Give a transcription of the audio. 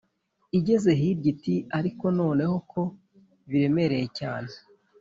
Igeze hirya iti “Ariko noneho ko biremereye cyane,